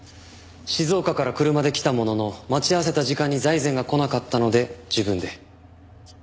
静岡から車で来たものの待ち合わせた時間に財前が来なかったので自分で。